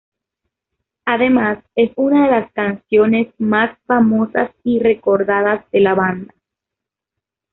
Además, es una de las canciones más famosas y recordadas de la banda.